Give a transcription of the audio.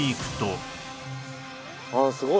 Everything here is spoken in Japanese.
ああすごい。